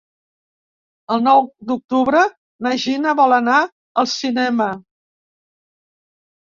El nou d'octubre na Gina vol anar al cinema.